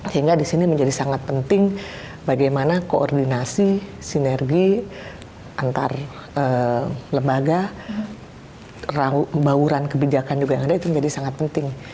sehingga di sini menjadi sangat penting bagaimana koordinasi sinergi antar lembaga bauran kebijakan juga yang ada itu menjadi sangat penting